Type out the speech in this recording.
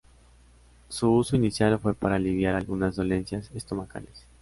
Su uso inicial fue para aliviar algunas dolencias estomacales.